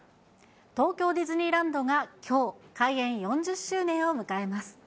東京ディズニーランドがきょう、開園４０周年を迎えます。